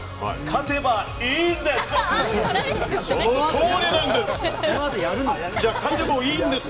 勝てばいいんです！